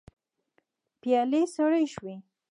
پيالې سړې شوې.